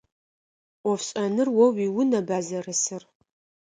Ӏофшӏэныр о уиунэба зэрысыр?